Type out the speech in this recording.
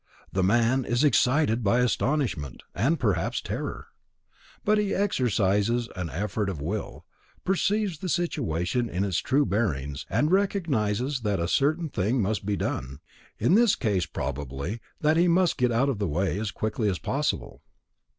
The man is excited by astonishment, and, perhaps, terror. But he exercises an effort of will, perceives the situation in its true bearings, and recognizes that a certain thing must be done; in this case, probably, that he must get out of the way as quickly as possible.